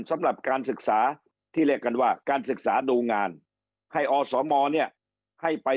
สำหรับการศึกษาที่เรียกกันว่าการศึกษาดูงานให้อสมเนี่ยให้ไป